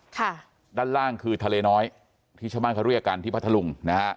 ด้านล่างคือทะเลน้อยที่ชะมัดเขาเรียกกันที่พระทะลุง